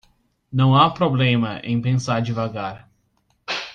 Não há problema em pensar devagar